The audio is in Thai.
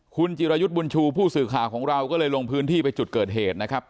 คุณจิรายุทธ์บุญชูผู้สื่อข่าวของเราก็เลยลงพื้นที่ไปจุดเกิดเหตุนะครับ